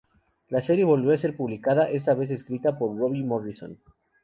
La serie volvió a ser publicada, esta vez escrita por Robbie Morrison.